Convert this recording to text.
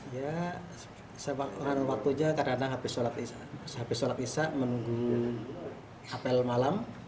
ya karena waktunya kadang kadang habis sholat isya menunggu apel malam